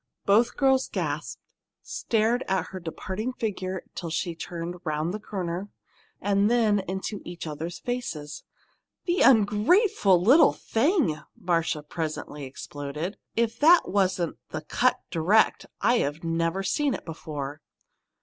Both girls gasped, stared at her departing figure till she turned the corner, and then into each other's faces. "The ungrateful little thing!" Marcia presently exploded. "If that wasn't the 'cut direct,' I've never seen it before!"